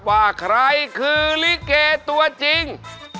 ว่าใครคือลิเกตัวจริง